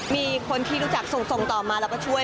มีคนที่รู้จักส่งต่อมาแล้วก็ช่วย